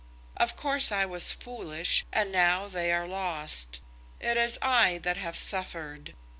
Of course I was foolish, and now they are lost. It is I that have suffered.